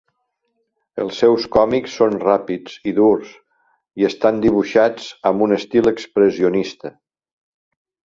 Els seus còmics són ràpids i durs i estan dibuixats amb un estil expressionista.